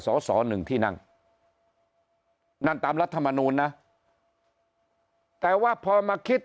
สอสอหนึ่งที่นั่งนั่นตามรัฐมนูลนะแต่ว่าพอมาคิด